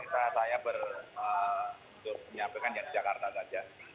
tapi kita hanya menyampaikan yang di jakarta saja